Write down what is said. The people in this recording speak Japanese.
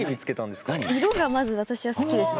色がまず私は好きですね。